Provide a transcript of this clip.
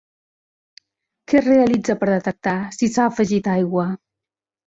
Què es realitza per detectar si s'ha afegit aigua?